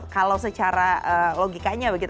kalau secara logikanya begitu